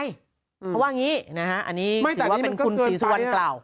เพราะว่างี้อันนี้คือว่าเป็นคุณศีรษะวันเกล่า